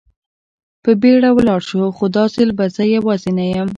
په بېړه ولاړ شو، خو دا ځل به زه یوازې نه یم.